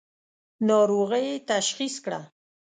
ناروغۍ یې تشخیص کړه.